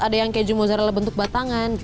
ada yang keju mozzarella bentuk batangan